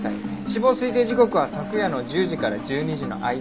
死亡推定時刻は昨夜の１０時から１２時の間だそうです。